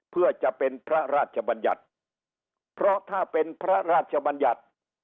เพื่อจะเป็นพระราชบัญญัติเพราะถ้าเป็นพระราชบัญญัติ